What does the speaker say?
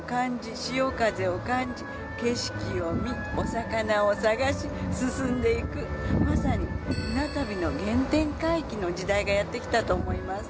潮風を感じ景色を見お魚を探し進んでいくまさにの時代がやってきたと思います